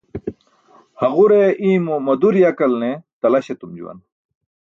Haġure i̇ymo madur yakalne talaś etum juwan.